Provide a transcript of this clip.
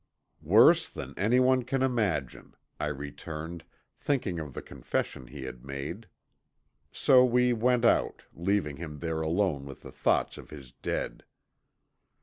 "Worse than anyone can imagine," I returned, thinking of the confession he had made. So we went out, leaving him there alone with the thoughts of his dead.